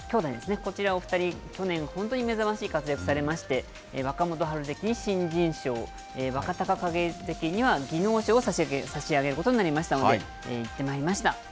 こちらの２人、去年、本当に目覚ましい活躍されまして、若元春関、新人賞、若隆景関には技能賞を差し上げることになりましたので、行ってまいりました。